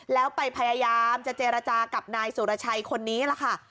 แล้วไปพยายามจะเจรจากับนายสุรชัยคนนี้ล่ะค่ะ